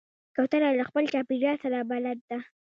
کوتره له خپل چاپېریال سره بلد ده.